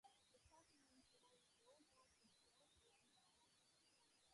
The twelve remaining survivors rowed back to Duluth unharmed.